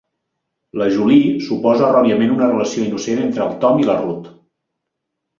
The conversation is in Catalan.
La Julie suposa erròniament una relació innocent entre el Tom i la Ruth.